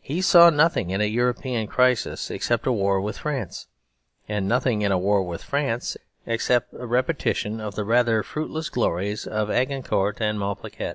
He saw nothing in a European crisis except a war with France; and nothing in a war with France except a repetition of the rather fruitless glories of Agincourt and Malplaquet.